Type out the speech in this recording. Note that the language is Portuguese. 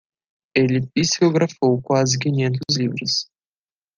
Ele psicografou quase quinhentos livros.